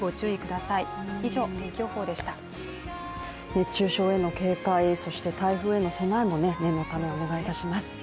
熱中症への警戒そして台風への備えも念のため、お願いします。